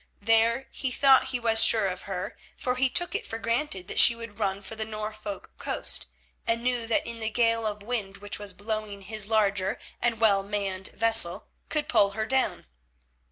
There he thought he was sure of her, for he took it for granted that she would run for the Norfolk coast, and knew that in the gale of wind which was blowing his larger and well manned vessel could pull her down.